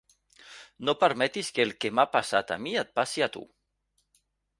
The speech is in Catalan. No permetis que el que m'ha passat a mi et passi a tu.